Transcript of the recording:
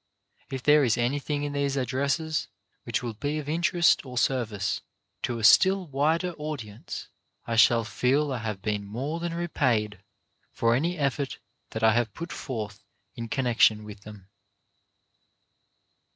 If there is anything in these addresses which will be of interest or service to a still wider audience, I shall feel I have been more than repaid for any effort that I have put forth in connection with them.